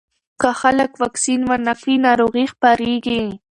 که خلک واکسین ونه کړي، ناروغي خپرېږي.